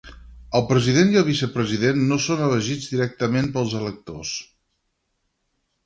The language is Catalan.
El president i el vicepresident no són elegits directament pels electors.